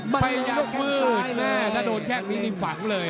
ไม่ใช่ค่องแค่งซ้ายเลย